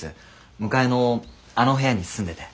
向かいのあの部屋に住んでて。